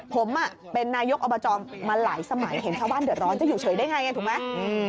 ผมเป็นนายกอบจมาหลายสมัยเห็นชาวบ้านเดือดร้อนจะอยู่เฉยได้ไงถูกไหม